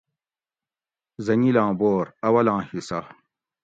زنگلاں بور (اولاں حصّہ)